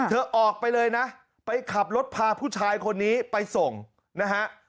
เธอออกไปเลยนะไปขับรถพาผู้ชายคนนี้ไปส่งนะฮะ